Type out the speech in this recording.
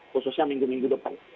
khususnya minggu minggu depan